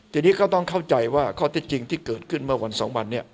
ทีนี้ก็ต้องเข้าใจว่าข้อเท็จจริงที่เกิดขึ้นเมื่อวันสองวันนี้